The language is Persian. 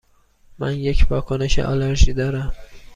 من یک واکنش آلرژی دارم.